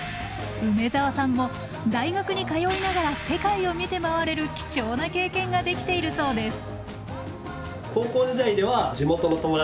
梅澤さんも大学に通いながら世界を見て回れる貴重な経験ができているそうです。